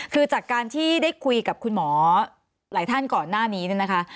คือจากการที่ได้คุยกับคุณหมอหลายท่านก่อนหน้านี้เนี่ยนะคะ